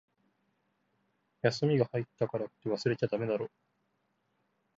休みが入ったからって、忘れちゃだめだろ。